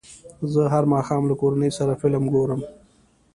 زه هر ماښام له کورنۍ سره فلم ګورم.